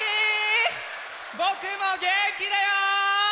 ぼくもげんきだよ！